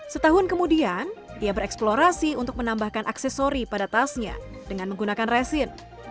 setahun kemudian ia bereksplorasi untuk menambahkan aksesori pada tasnya dengan menggunakan resin